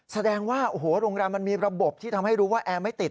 แสดงว่าโอ้โหโรงแรมมันมีระบบที่ทำให้รู้ว่าแอร์ไม่ติด